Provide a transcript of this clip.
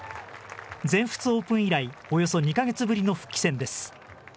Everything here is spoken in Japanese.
全仏オープン以来およそ２か月ぶりの復帰戦です。